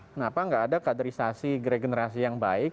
kenapa nggak ada kaderisasi regenerasi yang baik